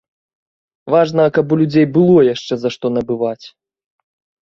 Важна, каб у людзей было яшчэ за што набываць.